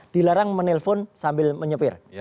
dilarang menelpon sambil menyepir